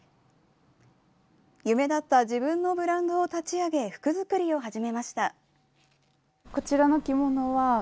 夢だった自分のブランドを立ち上げ、服作りを始めました。